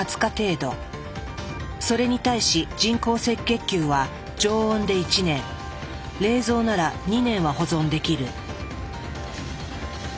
それに対し人工赤血球は常温で１年冷蔵なら２年は保存できる。